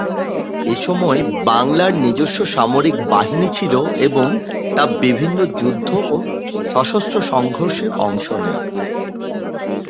এসময় বাংলার নিজস্ব সামরিক বাহিনী ছিল এবং তা বিভিন্ন যুদ্ধ ও সশস্ত্র সংঘর্ষে অংশ নেয়।